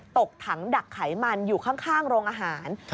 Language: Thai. ตกถังดักไขมันอยู่ข้างโรงอาหาร